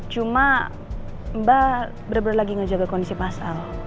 cuma mba bener bener lagi ngejaga kondisi mas al